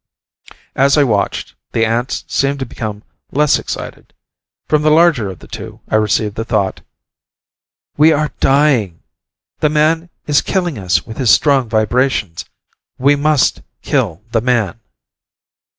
As I watched, the ants seemed to become less excited. From the larger of the two, I received the thought, "We are dying. The man is killing us with his strong vibrations. We must kill the man."